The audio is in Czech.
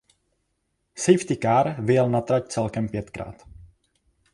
Safety car vyjel na trať celkem pětkrát.